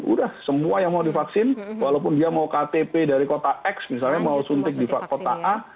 udah semua yang mau divaksin walaupun dia mau ktp dari kota x misalnya mau suntik di kota a